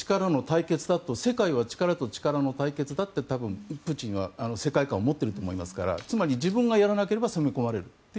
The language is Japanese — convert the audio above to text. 世界は力と力の対決だという多分プーチンは世界観を持っていると思いますから自分がやらないと攻め込まれると。